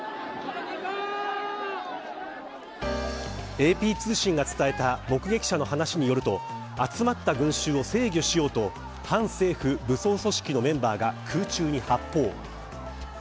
ＡＰ通信が伝えた目撃者の話によると集まった群衆を制御しようと反政府武装組織のメンバーが空中に発砲。